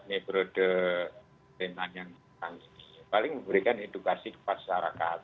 ini berode teman yang paling memberikan edukasi kepada masyarakat